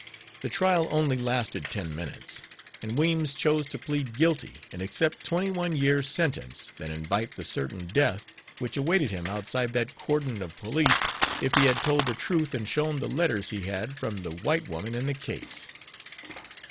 The trial only lasted ten minutes, and Weems chose to plead guilty and accept twenty one years sentence, than invite the certain death which awaited him outside that cordon of police if he had told the truth and shown the letters he had from the white woman in the case.